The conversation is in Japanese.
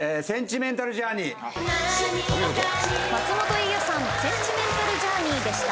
『センチメンタル・ジャーニー』お見事。